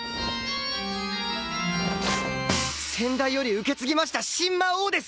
先代より受け継ぎました新魔王です！